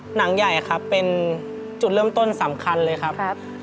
หนังใหญ่ครับเป็นจุดเริ่มต้นสำคัญเลยครับ